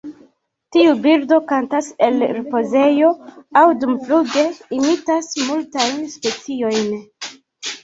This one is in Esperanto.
Tiu birdo kantas el ripozejo aŭ dumfluge; imitas multajn speciojn.